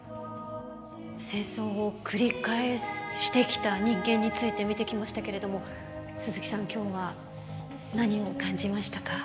戦争を繰り返してきた人間について見てきましたけれども鈴木さん今日は何を感じましたか？